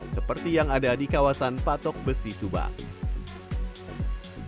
seperti yang ada di kawasan patok besi subang